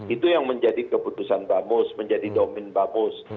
itu yang menjadi keputusan bamus menjadi domin bamus